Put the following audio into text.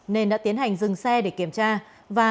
nên đã tiến hành dừng xe để kiểm tra